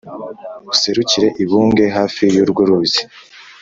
Userukire i Bunge hafi y'urwo ruzi